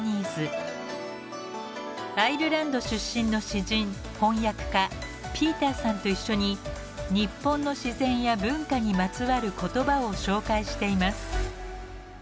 アイルランド出身の詩人・翻訳家ピーターさんと一緒に日本の自然や文化にまつわる言葉を紹介しています。